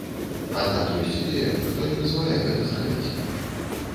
Аднак, ёсць і тыя, хто не дазваляе гэта зрабіць.